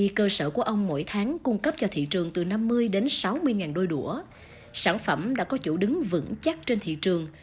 khi cơ sở của ông mỗi tháng cung cấp cho thị trường từ năm mươi đến sáu mươi ngàn đôi đũa sản phẩm đã có chủ đứng vững chắc trên thị trường